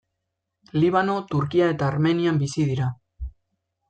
Libano, Turkia eta Armenian bizi dira.